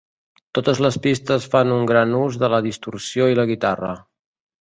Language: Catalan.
Totes les pistes fan un gran ús de la distorsió i la guitarra.